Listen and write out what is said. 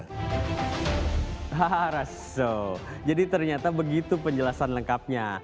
haha raso jadi ternyata begitu penjelasan lengkapnya